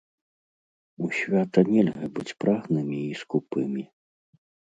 У свята нельга быць прагнымі і скупымі.